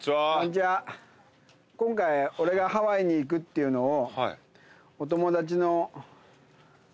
今回俺がハワイに行くっていうのを。